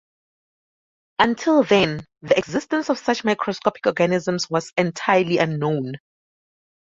Until then, the existence of such microscopic organisms was entirely unknown.